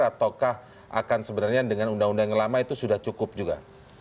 ataukah akan sebenarnya dengan undang undang yang lama itu sudah cukup juga